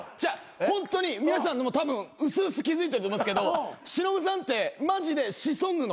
ホントに皆さんたぶんうすうす気付いてると思いますけど忍さんってマジでシソンヌの補欠なんです。